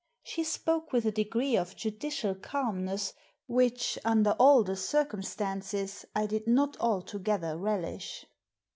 She spoke with a degree of judicial calmness which, under all the circumstances, I did not altogether relish.